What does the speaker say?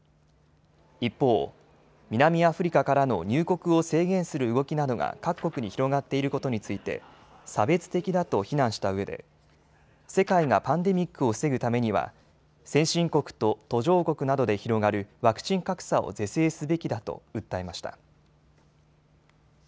一方、南アフリカからの入国を制限する動きなどが各国に広がっていることについて差別的だと非難したうえで世界がパンデミックを防ぐためには先進国と途上国などで広がるワクチン格差を是正すべきだと訴えました。